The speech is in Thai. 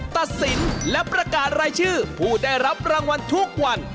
ตัดสินและประกาศรายชื่อผู้ได้รับรางวัลทุกวัน